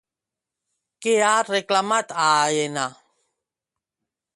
Què ha reclamat a Aena?